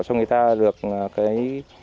cho người ta được cái